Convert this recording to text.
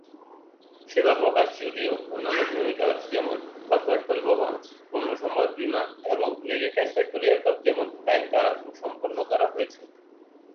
সেবা প্রবেশ যদিও অন্যান্য ভূমিকা যেমন কর্পোরেট পরিবহন, পণ্যসম্ভার বিমান এবং মেরিটাইম পেট্রোল এয়ারক্রাফট যেমন টাইপ দ্বারা সম্পন্ন করা হয়েছে।